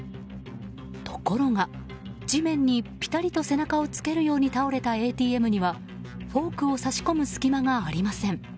ところが、地面にぴたりと背中を付けるように倒れたＡＴＭにはフォークを差し込む隙間がありません。